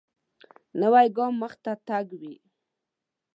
نوی ګام مخته تګ وي